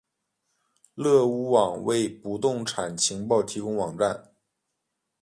乐屋网为不动产情报提供网站。